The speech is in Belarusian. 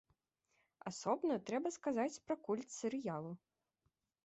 Асобна трэба сказаць пра культ серыялу.